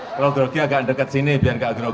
oke kalau gerogi agak dekat sini biar enggak gerogi